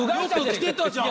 よく来てたじゃん！